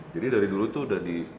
jadi dari dulu tuh udah di